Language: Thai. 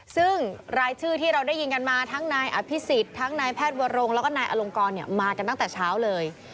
ซึ่งรายชื่อที่เราได้ยินกันมาทั้งนายอภิษฎทั้งนายแพทย์วรงแล้วก็นายอลงกรมากันตั้งแต่เช้าเลย